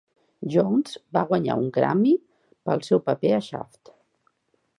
Jones va guanyar un Grammy pel seu paper a "Shaft".